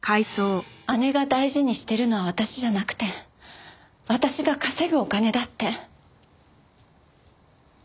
姉が大事にしてるのは私じゃなくて私が稼ぐお金だって。